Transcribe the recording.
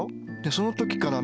その時からね